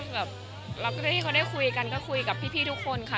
แล้วก็ที่เขาได้คุยกันก็คุยกับพี่ทุกคนค่ะ